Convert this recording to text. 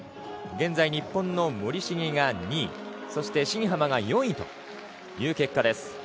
現在、日本の森重が２位そして新濱が４位という結果です。